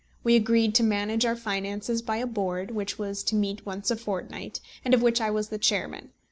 We agreed to manage our finances by a Board, which was to meet once a fortnight, and of which I was the Chairman.